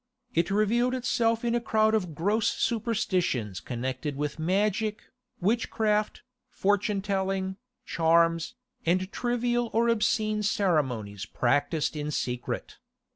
It revealed itself in a crowd of gross superstitions connected with magic, witchcraft, fortune telling, charms, and trivial or obscene ceremonies practised in secret.